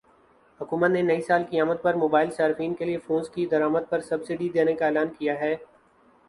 حکومت نے نئی سال کی آمد پر موبائل صارفین کے لیے فونز کی درآمد پرسبسڈی دینے کا اعلان کیا ہے